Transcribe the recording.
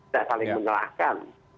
tidak saling menyerahkan